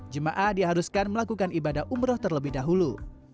jemaah diharuskan melakukan ibadah umroh terlebih dahulu